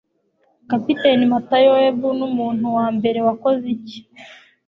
Kapiteni Matayo Webb Numuntu wambere wakoze iki